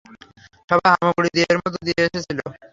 সবাই হামাগুড়ি দিয়ে এর মধ্য দিয়ে এসেছিল।